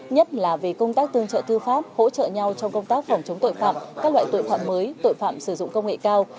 nhất là về công tác tương trợ tư pháp hỗ trợ nhau trong công tác phòng chống tội phạm các loại tội phạm mới tội phạm sử dụng công nghệ cao